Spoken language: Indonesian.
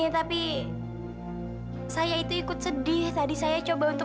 sampai jumpa di video selanjutnya